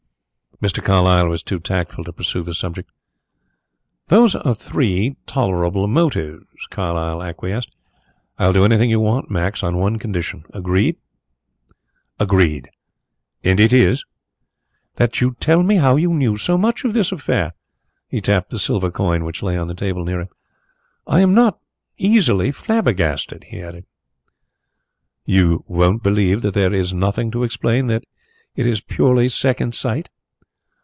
Mr. Carlyle was too tactful to pursue the subject. "Those are three tolerable motives," he acquiesced. "I'll do anything you want, Max, on one condition." "Agreed. And it is?" "That you tell me how you knew so much of this affair." He tapped the silver coin which lay on the table near them. "I am not easily flabbergasted," he added. "You won't believe that there is nothing to explain that it was purely second sight?"